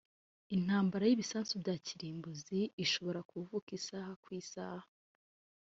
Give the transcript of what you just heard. intambara y’ibisasu bya kirimbuzi ishobora kuvuka isaha ku isaha